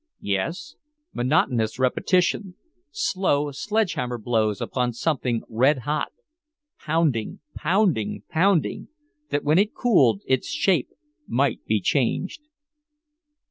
Yes, monotonous repetition slow sledgehammer blows upon something red hot pounding, pounding, pounding that when it cooled its shape might be changed.